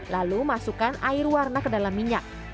lalu masukkan air warna ke dalam minyak